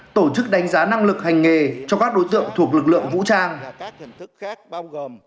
tổ chức đánh giá năng lực hành nghề cho các đối tượng thuộc lực lượng vũ trang